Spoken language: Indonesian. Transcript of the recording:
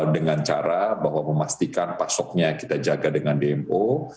dengan cara bahwa memastikan pasoknya kita jaga dengan dmo